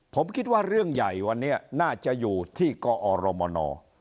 ผมคิดว่าเรื่องใหญ่วันนี้น่าจะอยู่ที่กอรมน